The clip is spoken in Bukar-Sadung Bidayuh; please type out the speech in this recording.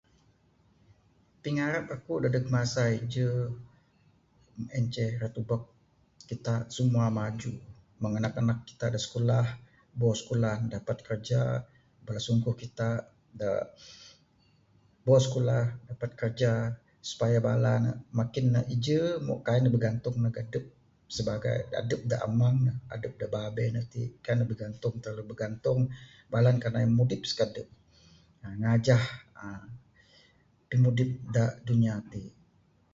Pingarap akuk dadeg masa iju, en ceh rak tebuk kitak semua maju. Mung anak anak kitak dak skulah, bok skulah ne dapat kraja. Bala sungkuh kitak da bok skulah, dapat kraja supaya bala ne makin ne iju moh kai ne bigantung ndug adup sebagai adup da amang, adup da babeh ne. Kaik ne bigantung, terlalu bigantung. Bala ne kanan mudip sikadup. uhh Ngajah uhh pimudip da dunya ti'.